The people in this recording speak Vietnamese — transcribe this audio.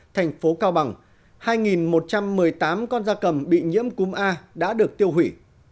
thành phố cao bằng hai một trăm một mươi tám con da cầm bị nhiễm cúm a đã được tiêu hủy